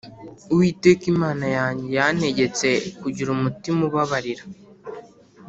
Uwiteka Imana yanjye yantegetse kugira umutima ubabarira